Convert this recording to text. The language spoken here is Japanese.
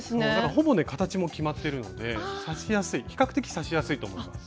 ほぼね形も決まってるので刺しやすい比較的刺しやすいと思います。